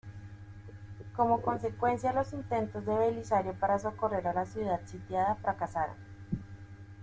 Como consecuencia, los intentos de Belisario para socorrer a la ciudad sitiada fracasaron.